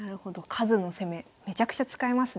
数の攻めめちゃくちゃ使えますね。